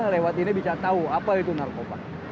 lewat ini bisa tahu apa itu narkoba